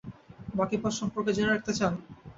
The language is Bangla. বাকি পথ সম্পর্কে জেনে রাখতে চান?